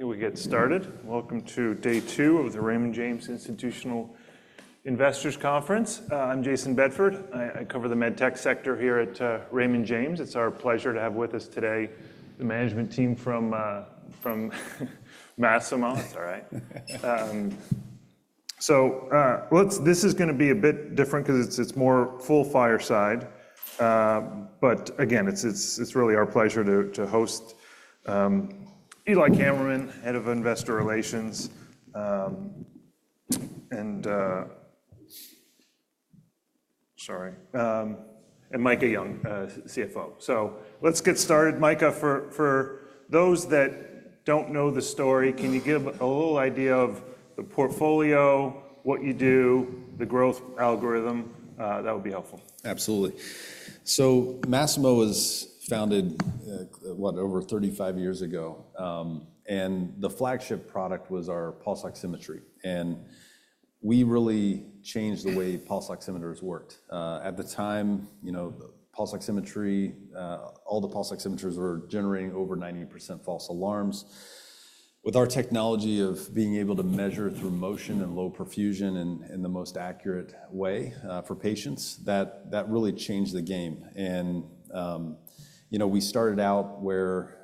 I think we'll get started. Welcome to day two of the Raymond James Institutional Investors Conference. I'm Jason Bedford. I cover the med tech sector here at Raymond James. It's our pleasure to have with us today the management team from Masimo. That's all right. So this is going to be a bit different because it's more fireside. But again, it's really our pleasure to host Eli Kammerman, Head of Investor Relations, and Micah Young, CFO. So let's get started. Micah, for those that don't know the story, can you give a little idea of the portfolio, what you do, the growth algorithm? That would be helpful. Absolutely. So Masimo was founded, what, over 35 years ago. And the flagship product was our pulse oximetry. And we really changed the way pulse oximeters worked. At the time, pulse oximetry, all the pulse oximeters were generating over 90% false alarms. With our technology of being able to measure through motion and low perfusion in the most accurate way for patients, that really changed the game. And we started out where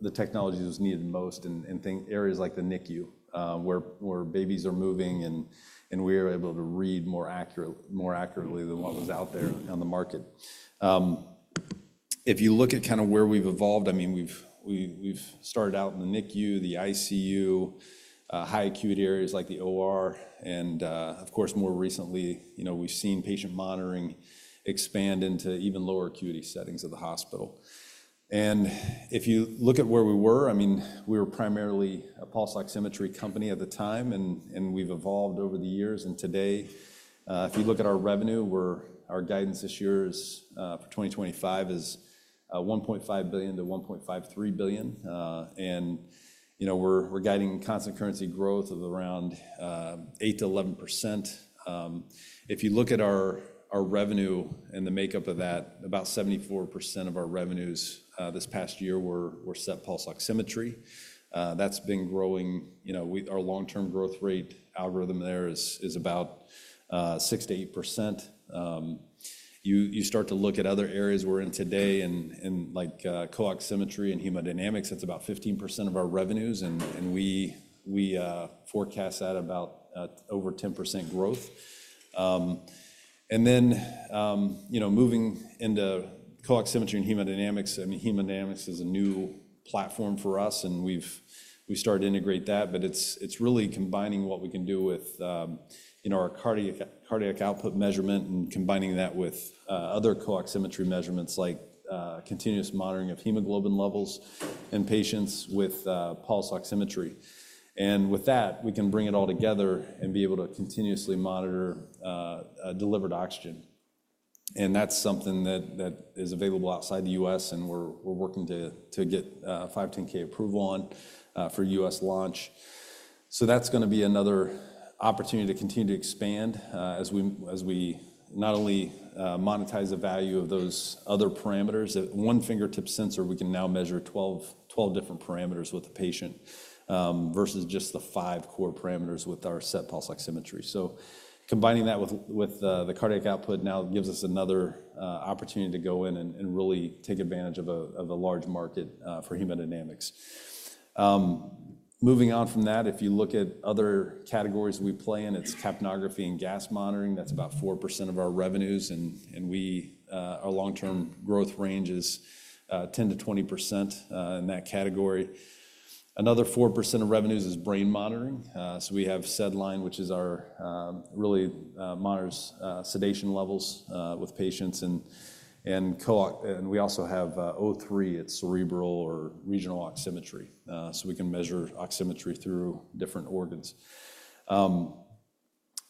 the technology was needed most in areas like the NICU, where babies are moving, and we were able to read more accurately than what was out there on the market. If you look at kind of where we've evolved, I mean, we've started out in the NICU, the ICU, high acuity areas like the OR. And of course, more recently, we've seen patient monitoring expand into even lower acuity settings of the hospital. If you look at where we were, I mean, we were primarily a pulse oximetry company at the time, and we've evolved over the years. Today, if you look at our revenue, our guidance this year for 2025 is $1.5 billion-$1.53 billion. We're guiding constant currency growth of around 8%-11%. If you look at our revenue and the makeup of that, about 74% of our revenues this past year were SET pulse oximetry. That's been growing. Our long-term growth rate algorithm there is about 6%-8%. You start to look at other areas we're in today, and like CO-Oximetry and Hemodynamics, that's about 15% of our revenues. We forecast that about over 10% growth. Then moving into CO-Oximetry and Hemodynamics, I mean, Hemodynamics is a new platform for us, and we've started to integrate that. But it's really combining what we can do with our cardiac output measurement and combining that with other CO-Oximetry measurements like continuous monitoring of hemoglobin levels in patients with pulse oximetry. And with that, we can bring it all together and be able to continuously monitor delivered oxygen. And that's something that is available outside the U.S., and we're working to get 510(k) approval on for U.S. launch. So that's going to be another opportunity to continue to expand as we not only monetize the value of those other parameters. At one fingertip sensor, we can now measure 12 different parameters with the patient versus just the five core parameters with our SET pulse oximetry. So combining that with the cardiac output now gives us another opportunity to go in and really take advantage of a large market for hemodynamics. Moving on from that, if you look at other categories we play in, it's capnography and gas monitoring. That's about 4% of our revenues, and our long-term growth range is 10%-20% in that category. Another 4% of revenues is brain monitoring. So we have SedLine, which really monitors sedation levels with patients. And we also have O3. It's cerebral or regional oximetry. So we can measure oximetry through different organs.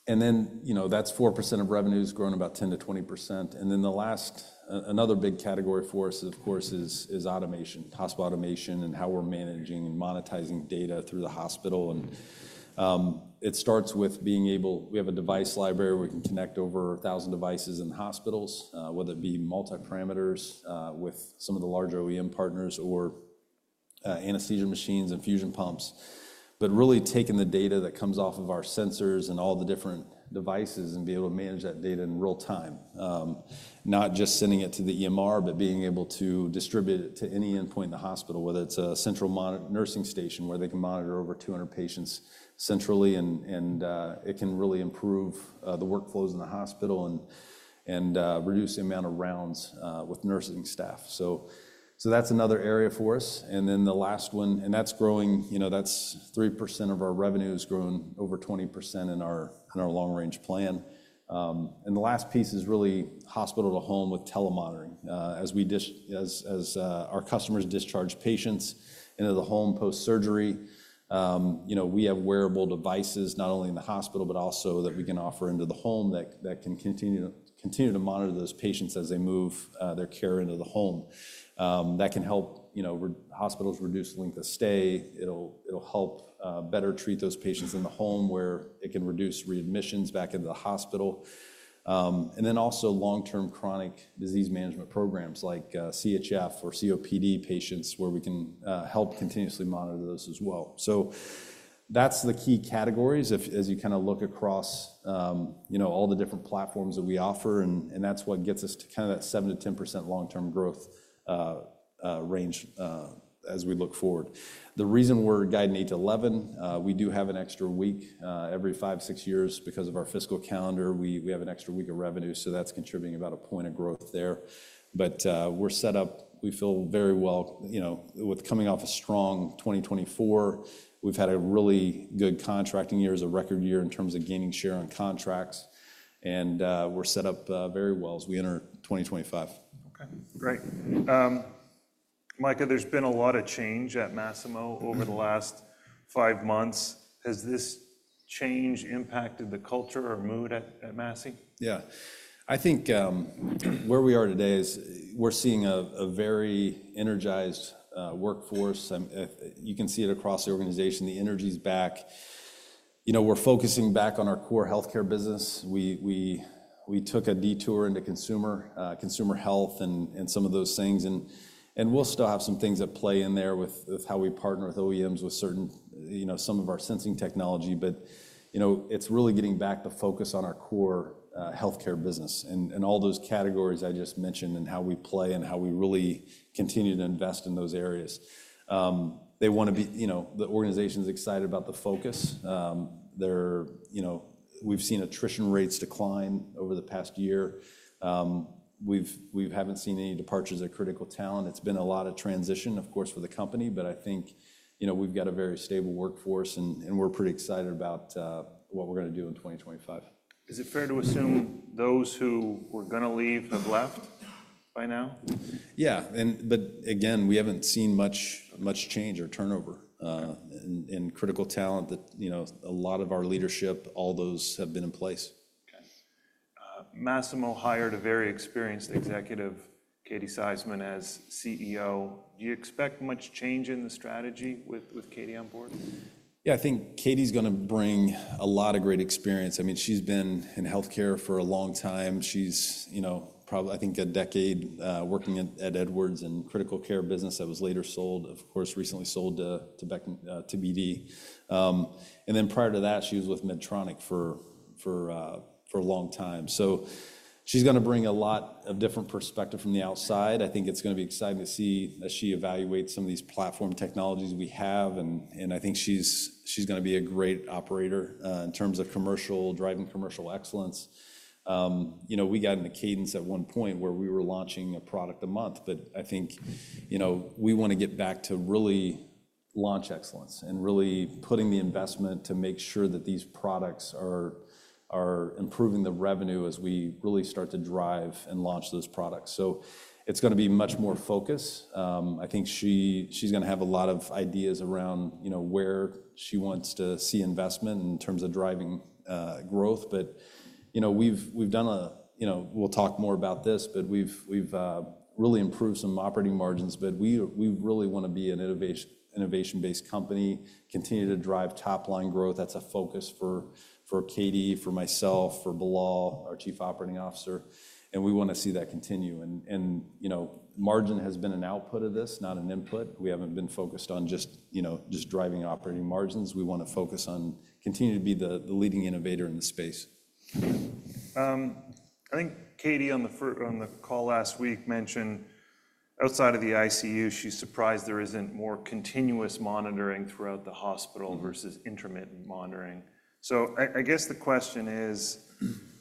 And then that's 4% of revenues, growing about 10%-20%. And then the last, another big category for us, of course, is automation, hospital automation, and how we're managing and monetizing data through the hospital. And it starts with being able, we have a device library where we can connect over 1,000 devices in hospitals, whether it be multiparameters with some of the larger OEM partners or anesthesia machines and infusion pumps, but really taking the data that comes off of our sensors and all the different devices and being able to manage that data in real time, not just sending it to the EMR, but being able to distribute it to any endpoint in the hospital, whether it's a central nursing station where they can monitor over 200 patients centrally, and it can really improve the workflows in the hospital and reduce the amount of rounds with nursing staff, so that's another area for us. And then the last one, and that's growing, that's 3% of our revenues growing over 20% in our long-range plan. And the last piece is really hospital to home with telemonitoring. As our customers discharge patients into the home post-surgery, we have wearable devices not only in the hospital, but also that we can offer into the home that can continue to monitor those patients as they move their care into the home. That can help hospitals reduce the length of stay. It'll help better treat those patients in the home where it can reduce readmissions back into the hospital. And then also long-term chronic disease management programs like CHF or COPD patients where we can help continuously monitor those as well. So that's the key categories as you kind of look across all the different platforms that we offer. And that's what gets us to kind of that 7%-10% long-term growth range as we look forward. The reason we're guiding 8%-11%, we do have an extra week every five, six years because of our fiscal calendar. We have an extra week of revenue, so that's contributing about a point of growth there. But we're set up, we feel very well with coming off a strong 2024. We've had a really good contracting year, a record year in terms of gaining share on contracts. And we're set up very well as we enter 2025. Okay. Great. Micah, there's been a lot of change at Masimo over the last five months. Has this change impacted the culture or mood at Masimo? Yeah. I think where we are today is we're seeing a very energized workforce. You can see it across the organization. The energy's back. We're focusing back on our core healthcare business. We took a detour into consumer health and some of those things. And we'll still have some things at play in there with how we partner with OEMs with some of our sensing technology. But it's really getting back the focus on our core healthcare business and all those categories I just mentioned and how we play and how we really continue to invest in those areas. They want to be the organization's excited about the focus. We've seen attrition rates decline over the past year. We haven't seen any departures of critical talent. It's been a lot of transition, of course, for the company. But I think we've got a very stable workforce, and we're pretty excited about what we're going to do in 2025. Is it fair to assume those who were going to leave have left by now? Yeah, but again, we haven't seen much change or turnover in critical talent. A lot of our leadership, all those have been in place. Okay. Masimo hired a very experienced executive, Katie Szyman, as CEO. Do you expect much change in the strategy with Katie on board? Yeah. I think Katie's going to bring a lot of great experience. I mean, she's been in healthcare for a long time. She's probably, I think, a decade working at Edwards in critical care business that was later sold, of course, recently sold to BD. And then prior to that, she was with Medtronic for a long time. So she's going to bring a lot of different perspective from the outside. I think it's going to be exciting to see as she evaluates some of these platform technologies we have. And I think she's going to be a great operator in terms of driving commercial excellence. We got into cadence at one point where we were launching a product a month. But I think we want to get back to really launch excellence and really putting the investment to make sure that these products are improving the revenue as we really start to drive and launch those products. So it's going to be much more focused. I think she's going to have a lot of ideas around where she wants to see investment in terms of driving growth. But we've done. We'll talk more about this, but we've really improved some operating margins. But we really want to be an innovation-based company, continue to drive top-line growth. That's a focus for Katie, for myself, for Bilal, our Chief Operating Officer. And we want to see that continue. And margin has been an output of this, not an input. We haven't been focused on just driving operating margins. We want to focus on continuing to be the leading innovator in the space. I think Katie on the call last week mentioned outside of the ICU, she's surprised there isn't more continuous monitoring throughout the hospital versus intermittent monitoring, so I guess the question is,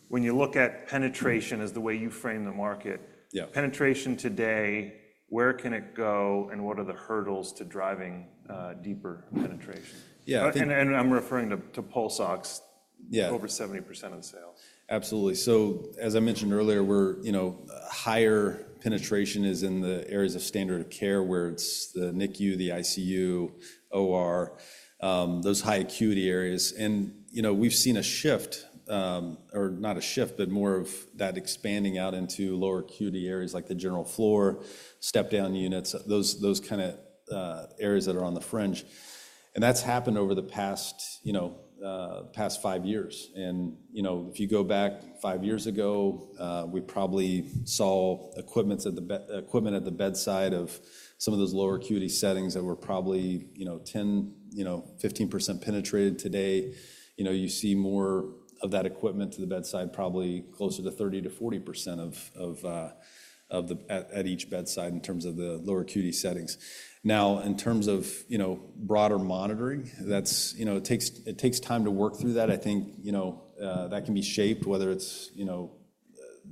when you look at penetration as the way you frame the market, penetration today, where can it go, and what are the hurdles to driving deeper penetration, and I'm referring to pulse ox, over 70% of sales. Absolutely. So as I mentioned earlier, higher penetration is in the areas of standard of care where it's the NICU, the ICU, OR, those high acuity areas. And we've seen a shift, or not a shift, but more of that expanding out into lower acuity areas like the general floor, step-down units, those kind of areas that are on the fringe. And that's happened over the past five years. And if you go back five years ago, we probably saw equipment at the bedside of some of those lower acuity settings that were probably 10%-15% penetrated today. You see more of that equipment to the bedside, probably closer to 30%-40% at each bedside in terms of the lower acuity settings. Now, in terms of broader monitoring, it takes time to work through that. I think that can be shaped, whether it's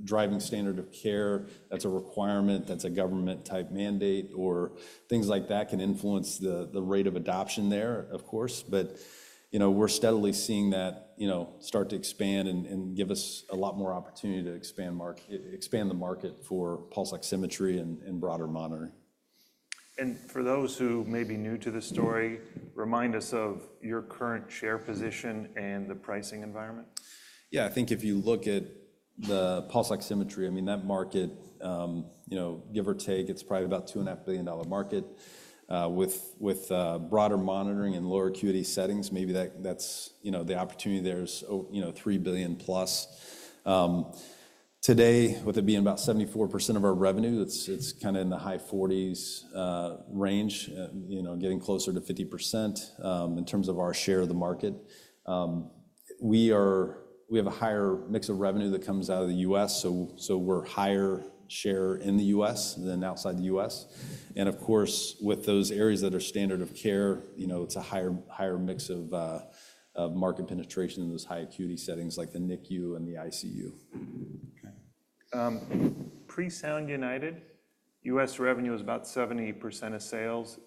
driving standard of care, that's a requirement, that's a government-type mandate, or things like that can influence the rate of adoption there, of course. But we're steadily seeing that start to expand and give us a lot more opportunity to expand the market for pulse oximetry and broader monitoring. For those who may be new to the story, remind us of your current share position and the pricing environment? Yeah. I think if you look at the pulse oximetry, I mean, that market, give or take, it's probably about a $2.5 billion market. With broader monitoring and lower acuity settings, maybe that's the opportunity. There's 3 billion plus. Today, with it being about 74% of our revenue, it's kind of in the high 40s range, getting closer to 50% in terms of our share of the market. We have a higher mix of revenue that comes out of the U.S. So we're a higher share in the U.S. than outside the U.S. And of course, with those areas that are standard of care, it's a higher mix of market penetration in those high acuity settings like the NICU and the ICU. Okay. Pre-Sound United, U.S. revenue is about 70% of sales,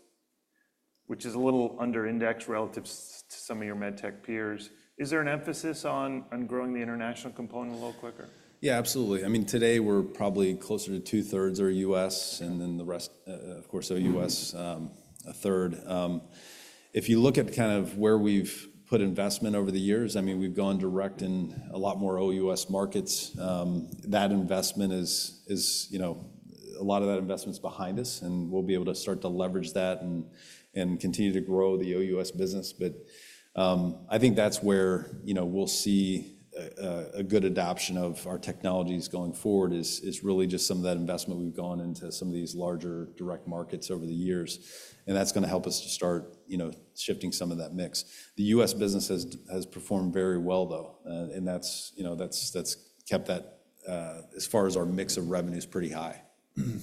which is a little under-indexed relative to some of your med tech peers. Is there an emphasis on growing the international component a little quicker? Yeah, absolutely. I mean, today, we're probably closer to two-thirds are US, and then the rest, of course, OUS, a third. If you look at kind of where we've put investment over the years, I mean, we've gone direct in a lot more OUS markets. That investment is a lot of that investment's behind us, and we'll be able to start to leverage that and continue to grow the OUS business. But I think that's where we'll see a good adoption of our technologies going forward is really just some of that investment we've gone into some of these larger direct markets over the years. And that's going to help us to start shifting some of that mix. The US business has performed very well, though. And that's kept that, as far as our mix of revenues, pretty high. Okay.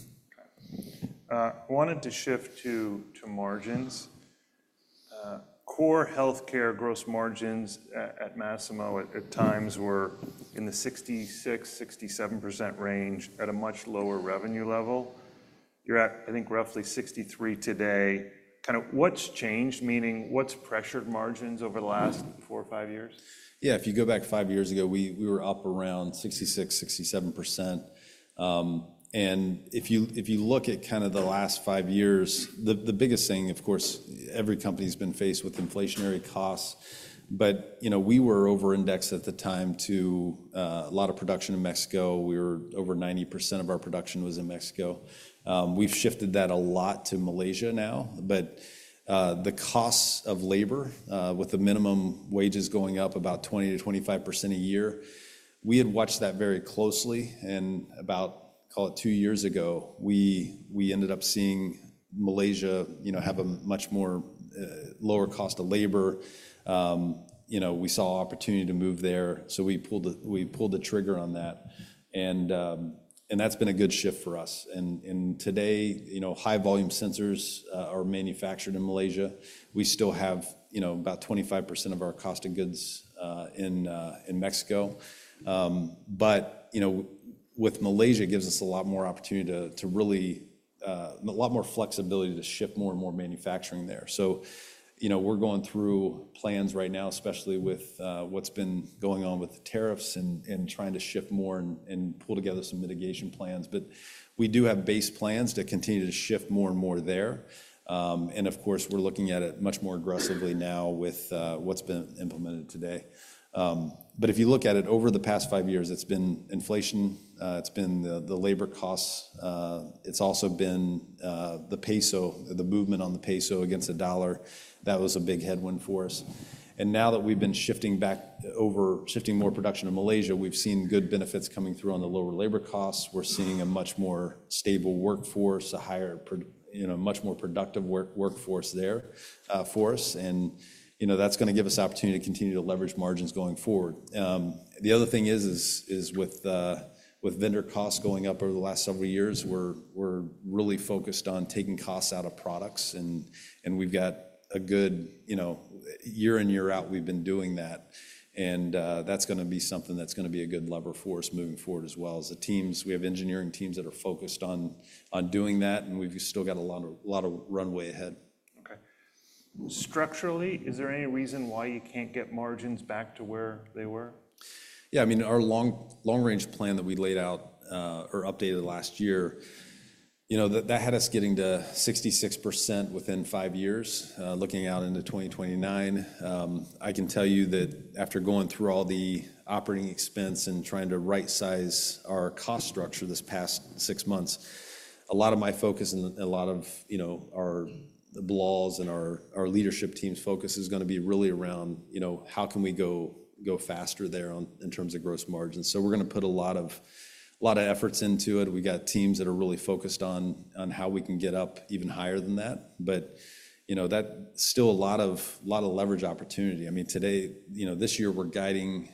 I wanted to shift to margins. Core healthcare gross margins at Masimo at times were in the 66%-67% range at a much lower revenue level. You're at, I think, roughly 63% today. Kind of what's changed, meaning what's pressured margins over the last four or five years? Yeah. If you go back five years ago, we were up around 66%, 67%. And if you look at kind of the last five years, the biggest thing, of course, every company has been faced with inflationary costs. But we were over-indexed at the time to a lot of production in Mexico. We were over 90% of our production was in Mexico. We've shifted that a lot to Malaysia now. But the costs of labor with the minimum wages going up about 20%-25% a year, we had watched that very closely. And about, call it two years ago, we ended up seeing Malaysia have a much more lower cost of labor. We saw opportunity to move there. So we pulled the trigger on that. And that's been a good shift for us. And today, high-volume sensors are manufactured in Malaysia. We still have about 25% of our cost of goods in Mexico, but with Malaysia gives us a lot more opportunity to really a lot more flexibility to ship more and more manufacturing there, so we're going through plans right now, especially with what's been going on with the tariffs and trying to ship more and pull together some mitigation plans, but we do have base plans to continue to shift more and more there, and of course, we're looking at it much more aggressively now with what's been implemented today, but if you look at it over the past five years, it's been inflation, it's been the labor costs, it's also been the peso, the movement on the peso against the dollar. That was a big headwind for us. Now that we've been shifting more production to Malaysia, we've seen good benefits coming through on the lower labor costs. We're seeing a much more stable workforce, a much more productive workforce there for us. That's going to give us opportunity to continue to leverage margins going forward. The other thing is, with vendor costs going up over the last several years, we're really focused on taking costs out of products. We've got a good year in, year out, we've been doing that. That's going to be something that's going to be a good lever for us moving forward as well. The teams we have are engineering teams that are focused on doing that. We've still got a lot of runway ahead. Okay. Structurally, is there any reason why you can't get margins back to where they were? Yeah. I mean, our long-range plan that we laid out or updated last year, that had us getting to 66% within five years, looking out into 2029. I can tell you that after going through all the operating expense and trying to right-size our cost structure this past six months, a lot of my focus and a lot of our folks and our leadership team's focus is going to be really around how can we go faster there in terms of gross margins. So we're going to put a lot of efforts into it. We've got teams that are really focused on how we can get up even higher than that. But that's still a lot of leverage opportunity. I mean, today, this year, we're guiding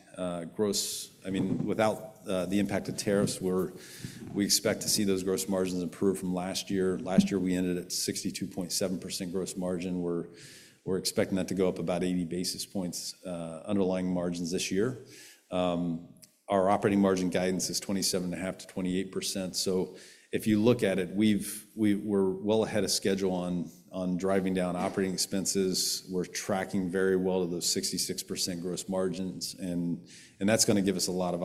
gross. I mean, without the impact of tariffs, we expect to see those gross margins improve from last year. Last year, we ended at 62.7% gross margin. We're expecting that to go up about 80 basis points underlying margins this year. Our operating margin guidance is 27.5%-28%. So if you look at it, we're well ahead of schedule on driving down operating expenses. We're tracking very well to those 66% gross margins. And that's going to give us a lot of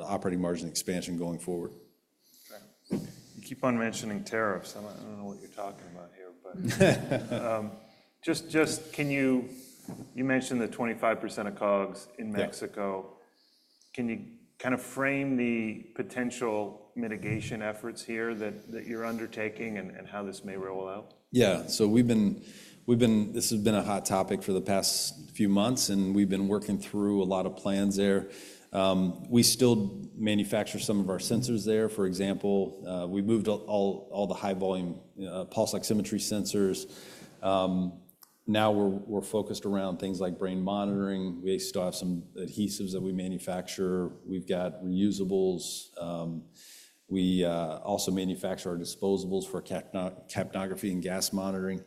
operating margin expansion going forward. Okay. You keep on mentioning tariffs. I don't know what you're talking about here. But just can you mentioned the 25% of COGS in Mexico. Can you kind of frame the potential mitigation efforts here that you're undertaking and how this may roll out? Yeah. So this has been a hot topic for the past few months, and we've been working through a lot of plans there. We still manufacture some of our sensors there. For example, we moved all the high-volume pulse oximetry sensors. Now we're focused around things like brain monitoring. We still have some adhesives that we manufacture. We've got reusables. We also manufacture our disposables for capnography and gas monitoring,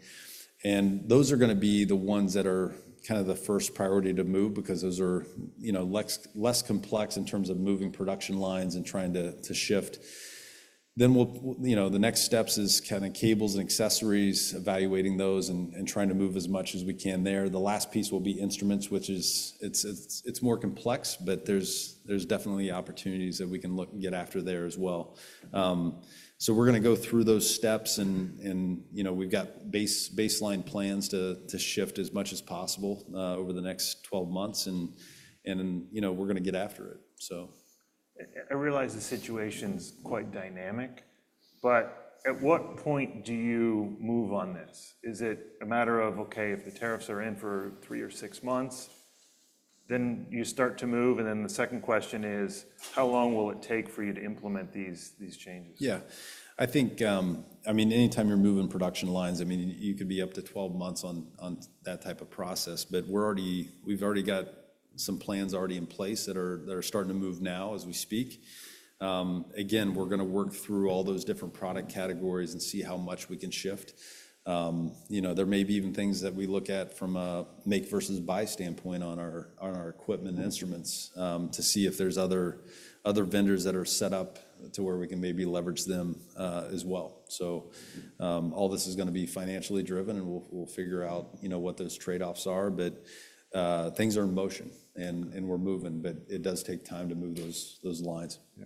and those are going to be the ones that are kind of the first priority to move because those are less complex in terms of moving production lines and trying to shift. The next steps is kind of cables and accessories, evaluating those and trying to move as much as we can there. The last piece will be instruments, which, it's more complex, but there's definitely opportunities that we can look and get after there as well. So we're going to go through those steps. And we've got baseline plans to shift as much as possible over the next 12 months. And we're going to get after it, so. I realize the situation's quite dynamic. But at what point do you move on this? Is it a matter of, okay, if the tariffs are in for three or six months, then you start to move? And then the second question is, how long will it take for you to implement these changes? Yeah. I think, I mean, anytime you're moving production lines, I mean, you could be up to 12 months on that type of process. But we've already got some plans already in place that are starting to move now as we speak. Again, we're going to work through all those different product categories and see how much we can shift. There may be even things that we look at from a make versus buy standpoint on our equipment and instruments to see if there's other vendors that are set up to where we can maybe leverage them as well. So all this is going to be financially driven. And we'll figure out what those trade-offs are. But things are in motion. And we're moving. But it does take time to move those lines. Yeah.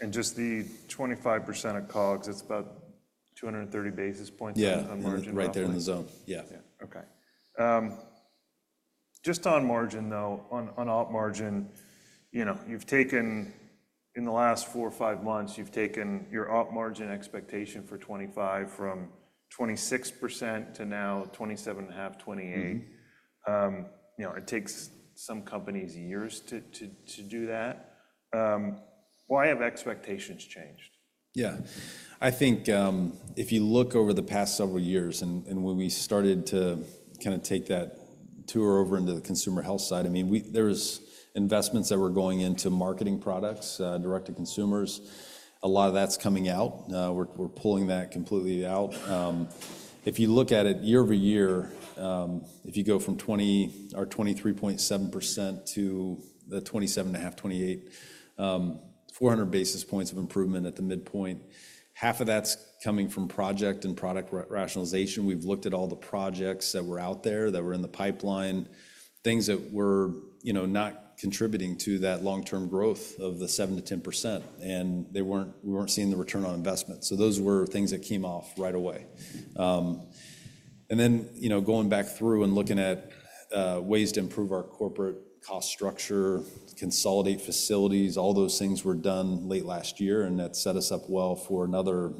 And just the 25% of COGS, it's about 230 basis points on margin. Yeah. Right there in the zone. Yeah. Yeah. Okay. Just on margin, though, on op margin, you've taken in the last four or five months, you've taken your op margin expectation for 25% from 26% to now 27.5%-28%. It takes some companies years to do that. Why have expectations changed? Yeah. I think if you look over the past several years and when we started to kind of take that turn over into the consumer health side, I mean, there's investments that were going into marketing products direct to consumers. A lot of that's coming out. We're pulling that completely out. If you look at it year over year, if you go from 20% or 23.7% to the 27.5%-28%, 400 basis points of improvement at the midpoint, half of that's coming from project and product rationalization. We've looked at all the projects that were out there that were in the pipeline, things that were not contributing to that long-term growth of the 7%-10%. And we weren't seeing the return on investment. So those were things that came off right away. And then going back through and looking at ways to improve our corporate cost structure, consolidate facilities, all those things were done late last year. And that set us up well for another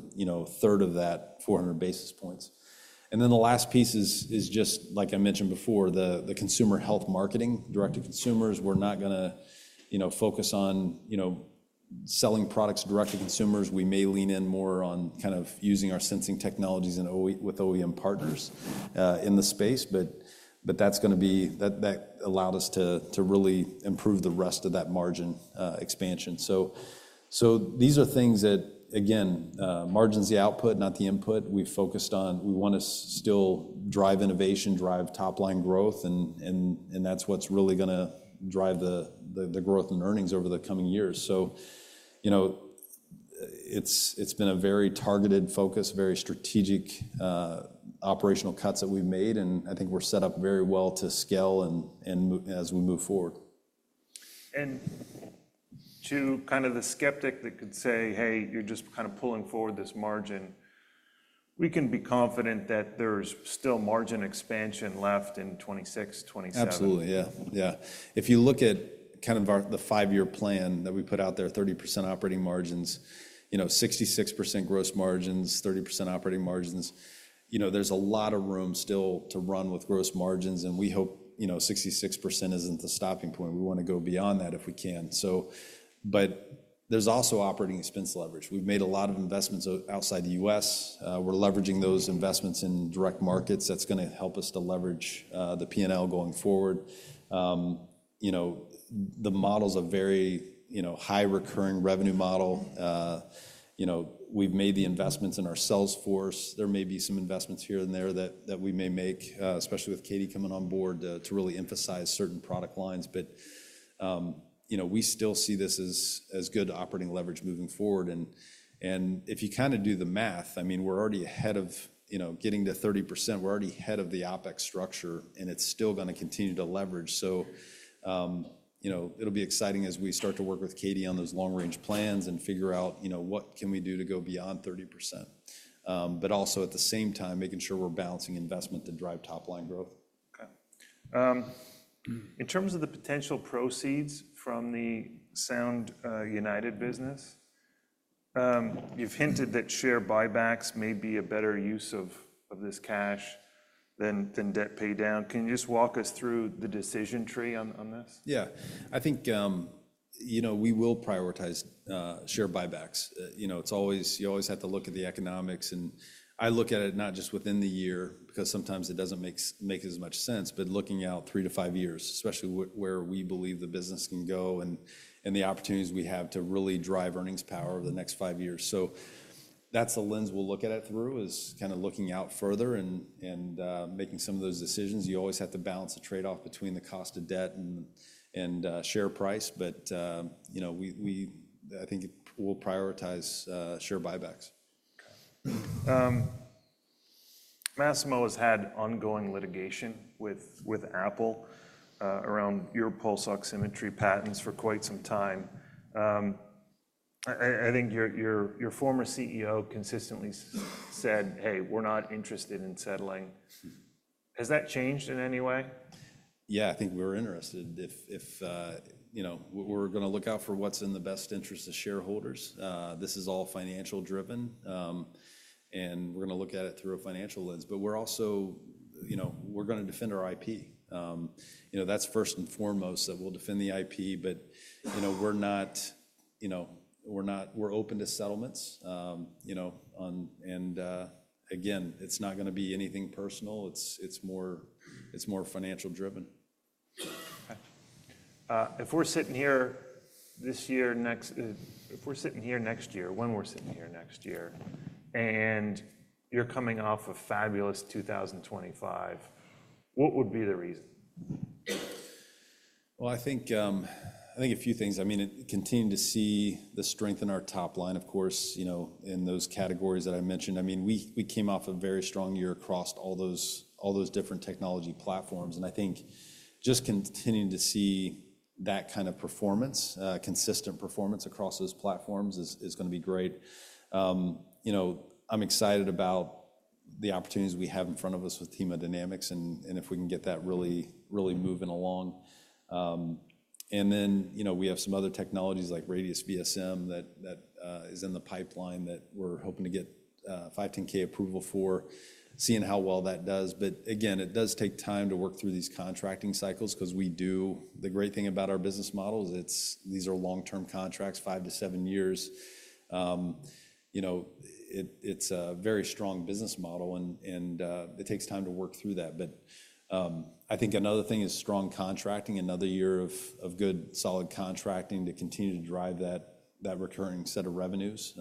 third of that 400 basis points. And then the last piece is just, like I mentioned before, the consumer health marketing direct to consumers. We're not going to focus on selling products direct to consumers. We may lean in more on kind of using our sensing technologies with OEM partners in the space. But that's going to be that allowed us to really improve the rest of that margin expansion. So these are things that, again, margin's the output, not the input. We focused on we want to still drive innovation, drive top-line growth. And that's what's really going to drive the growth and earnings over the coming years. It's been a very targeted focus, very strategic operational cuts that we've made. I think we're set up very well to scale as we move forward. To kind of the skeptic that could say, "Hey, you're just kind of pulling forward this margin," we can be confident that there's still margin expansion left in 2026, 2027. Absolutely. Yeah. Yeah. If you look at kind of the five-year plan that we put out there, 30% operating margins, 66% gross margins, 30% operating margins, there's a lot of room still to run with gross margins. And we hope 66% isn't the stopping point. We want to go beyond that if we can. But there's also operating expense leverage. We've made a lot of investments outside the U.S. We're leveraging those investments in direct markets. That's going to help us to leverage the P&L going forward. The model's a very high recurring revenue model. We've made the investments in our sales force. There may be some investments here and there that we may make, especially with Katie coming on board to really emphasize certain product lines. But we still see this as good operating leverage moving forward. If you kind of do the math, I mean, we're already ahead of getting to 30%. We're already ahead of the OpEx structure. It's still going to continue to leverage, so it'll be exciting as we start to work with Katie on those long-range plans and figure out what can we do to go beyond 30%, but also at the same time, making sure we're balancing investment to drive top-line growth. Okay. In terms of the potential proceeds from the Sound United business, you've hinted that share buybacks may be a better use of this cash than debt pay down. Can you just walk us through the decision tree on this? Yeah. I think we will prioritize share buybacks. You always have to look at the economics, and I look at it not just within the year because sometimes it doesn't make as much sense, but looking out three-to-five years, especially where we believe the business can go and the opportunities we have to really drive earnings power over the next five years, so that's the lens we'll look at it through is kind of looking out further and making some of those decisions. You always have to balance the trade-off between the cost of debt and share price, but I think we'll prioritize share buybacks. Okay. Masimo has had ongoing litigation with Apple around your pulse oximetry patents for quite some time. I think your former CEO consistently said, "Hey, we're not interested in settling." Has that changed in any way? Yeah. I think we're interested. We're going to look out for what's in the best interest of shareholders. This is all financial-driven, and we're going to look at it through a financial lens, but we're also going to defend our IP. That's first and foremost that we'll defend the IP, but we're open to settlements, and again, it's not going to be anything personal. It's more financial-driven. Okay. If we're sitting here next year, and you're coming off a fabulous 2025, what would be the reason? I think a few things. I mean, continue to see the strength in our top line, of course, in those categories that I mentioned. I mean, we came off a very strong year across all those different technology platforms. I think just continuing to see that kind of performance, consistent performance across those platforms is going to be great. I'm excited about the opportunities we have in front of us with hemodynamics and if we can get that really moving along. We have some other technologies like Radius SM that is in the pipeline that we're hoping to get 510(k) approval for, seeing how well that does. Again, it does take time to work through these contracting cycles because we do. The great thing about our business model is these are long-term contracts, five to seven years. It's a very strong business model. It takes time to work through that. I think another thing is strong contracting, another year of good solid contracting to continue to drive that recurring set of revenues.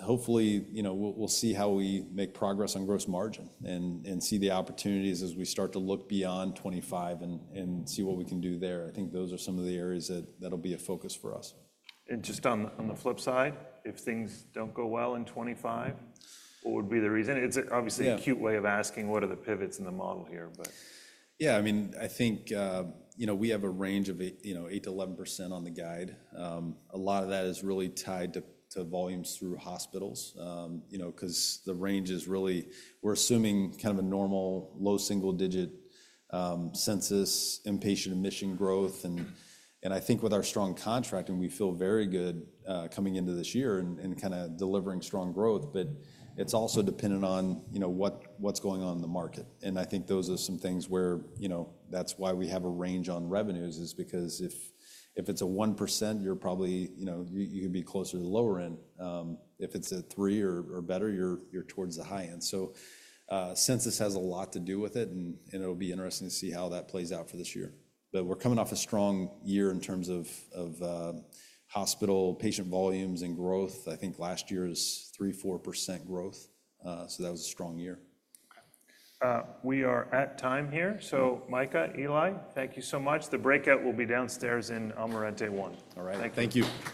Hopefully, we'll see how we make progress on gross margin and see the opportunities as we start to look beyond 2025 and see what we can do there. I think those are some of the areas that'll be a focus for us. Just on the flip side, if things don't go well in 2025, what would be the reason? It's obviously a cute way of asking what are the pivots in the model here, but. Yeah. I mean, I think we have a range of 8%-11% on the guide. A lot of that is really tied to volumes through hospitals because the range is really we're assuming kind of a normal low single-digit census, inpatient admission growth. And I think with our strong contracting, we feel very good coming into this year and kind of delivering strong growth. But it's also dependent on what's going on in the market. And I think those are some things where that's why we have a range on revenues is because if it's a 1%, you're probably could be closer to the lower end. If it's a 3% or better, you're towards the high end. So census has a lot to do with it. And it'll be interesting to see how that plays out for this year. But we're coming off a strong year in terms of hospital patient volumes and growth. I think last year's 3%, 4% growth. So that was a strong year. Okay. We are at time here. So Micah, Eli, thank you so much. The breakout will be downstairs in Almirante One. All right. Thank you.